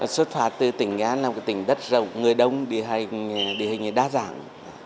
sốt phát từ tỉnh nga tỉnh đất rộng người đông địa hình đa dạng